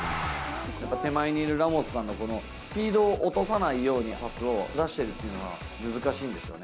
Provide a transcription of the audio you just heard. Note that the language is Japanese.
手前にいるラモスさんのこのスピードを落とさないようにパスを出してるというのは難しいんですよね。